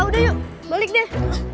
udah yuk balik deh